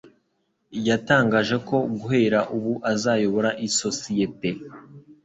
Yatangaje ko guhera ubu azayobora isosiyete .